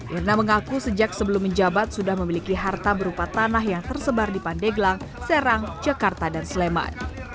irna mengaku sejak sebelum menjabat sudah memiliki harta berupa tanah yang tersebar di pandeglang serang jakarta dan sleman